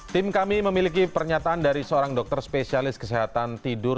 tim kami memiliki pernyataan dari seorang dokter spesialis kesehatan tidur